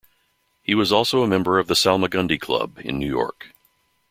He was also a member of the Salmagundi Club in New York.